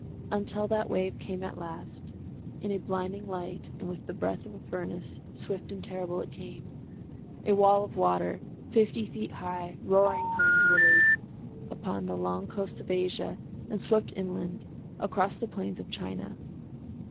Until that wave came at last—in a blinding light and with the breath of a furnace, swift and terrible it came—a wall of water, fifty feet high, roaring hungrily, upon the long coasts of Asia, and swept inland across the plains of China.